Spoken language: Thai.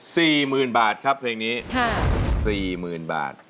สี่หมื่นบาทครับเพลงนี้ค่ะสี่หมื่นบาท